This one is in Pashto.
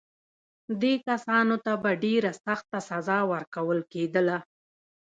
دې کسانو ته به ډېره سخته سزا ورکول کېدله.